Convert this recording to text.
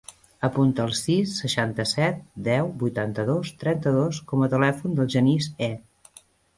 Apunta el sis, seixanta-set, deu, vuitanta-dos, trenta-dos com a telèfon del Genís He.